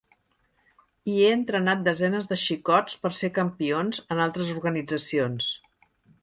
I he entrenat desenes de xicots per ser campions en altres organitzacions.